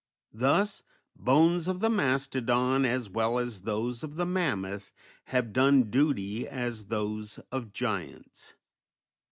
Thus bones of the mastodon, as well as those of the mammoth, have done duty as those of giants.